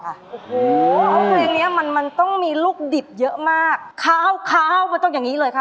เพราะเพลงนี้มันมันต้องมีลูกดิบเยอะมากขาวมันต้องอย่างนี้เลยค่ะ